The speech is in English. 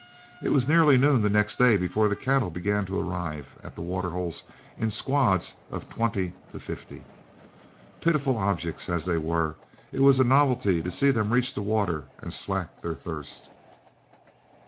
It was nearly noon the next day before the cattle began to arrive at the water holes in squads of from twenty to fifty. Pitiful objects as they were, it was a novelty to see them reach the water and slack their thirst.